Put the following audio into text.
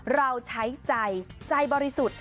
เราใช้ใจใจบริสุทธิ์